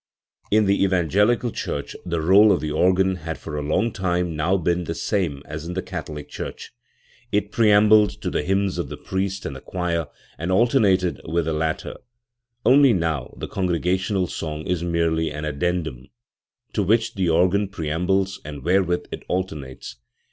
In the Evangelical church the rdle of the organ had for a long time now been the same as in the Catholic church. It preambled to the hymns of the priest and the choir and alternated with the latter; only now the congregational song is merely an addendum, to which the organ preambles atid wherewith it alternates.